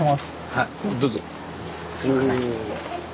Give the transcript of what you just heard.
はいどうぞ。